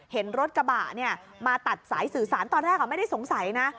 เห็นรถกระบะมาตัดสายสื่อสารตอนแรกไม่ได้สงสัยนะ